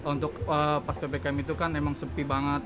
untuk pas ppkm itu kan emang sepi banget